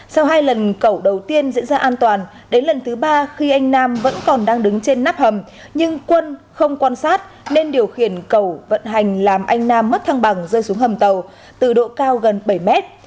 sau hai lần cầu đầu tiên diễn ra an toàn đến lần thứ ba khi anh nam vẫn còn đang đứng trên nắp hầm nhưng quân không quan sát nên điều khiển cầu vận hành làm anh nam mất thăng bằng rơi xuống hầm tàu từ độ cao gần bảy mét